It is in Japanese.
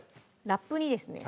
ラップにですね